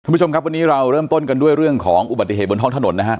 คุณผู้ชมครับวันนี้เราเริ่มต้นกันด้วยเรื่องของอุบัติเหตุบนท้องถนนนะฮะ